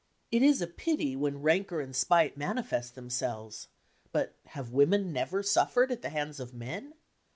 It is a pity when rancour and spite manifest themselves, but have women never suffered at the hands of men?